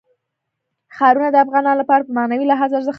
ښارونه د افغانانو لپاره په معنوي لحاظ ارزښت لري.